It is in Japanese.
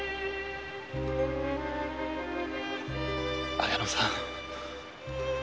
綾乃さん。